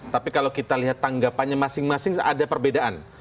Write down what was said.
tapi kalau kita lihat tanggapannya masing masing ada perbedaan